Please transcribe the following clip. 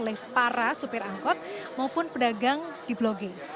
oleh para supir angkot maupun pedagang di blogge